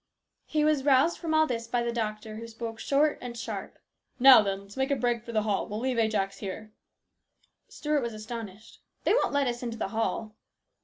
He was roused from all this by the doctor, who spoke short and sharp. " Now then ! Let's make a break for the hall ! We'll leave Ajax here." Stuart was astonished. " They won't let us into the hall